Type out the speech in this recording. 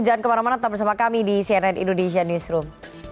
jangan kemana mana tetap bersama kami di cnn indonesia newsroom